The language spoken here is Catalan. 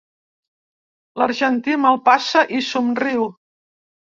L'argentí me'l passa i somriu.